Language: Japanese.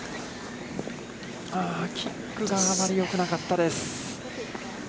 キックが余りよくなかったです。